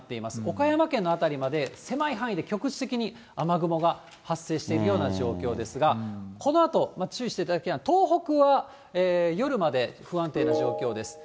岡山県の辺りまで、狭い範囲で局地的に雨雲が発生しているような状況ですが、このあと、注意していただきたいのは、東北は夜まで不安定な状況です。